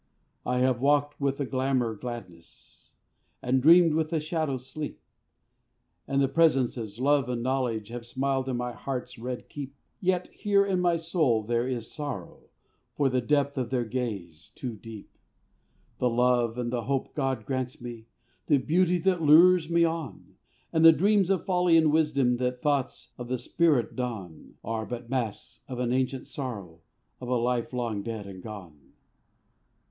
I have walked with the glamour gladness, And dreamed with the shadow sleep; And the presences, love and knowledge, Have smiled in my heart's red keep; Yet here in my soul there is sorrow For the depth of their gaze too deep. The love and the hope God grants me, The beauty that lures me on, And the dreams of folly and wisdom That thoughts of the spirit don, Are but masks of an ancient sorrow Of a life long dead and gone.